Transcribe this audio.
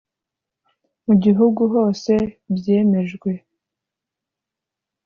mu gihugu hose byemejwe